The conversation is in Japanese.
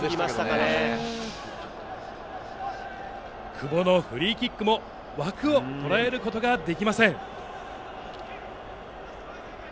久保のフリーキックも枠を捉えることができません。